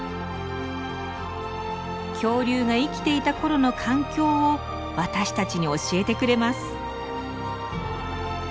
恐竜が生きていた頃の環境を私たちに教えてくれます。